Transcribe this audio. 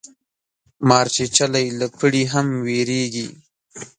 مار چیچلی له پړي هم ویریږي